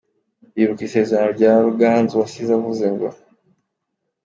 bibuka isezerano rya Ruganzu wasize avuze ngo